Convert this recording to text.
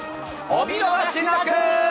お見逃しなく。